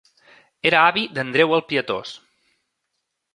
Era avi d'Andreu el Pietós.